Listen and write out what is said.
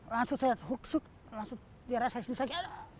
langsung saya huk huk langsung dia rasa disini